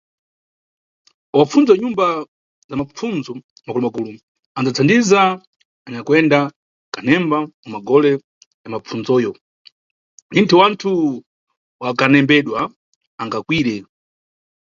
Apfundzi wa nyumba za mapfundzo makulumakulu anʼdzathandiza anyakuyenda kanembesa mu gole la mapfundzoyo, ninti wanthu wa kunembedwa angakwire.